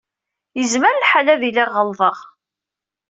Yezmer lḥal ad iliɣ ɣelḍeɣ.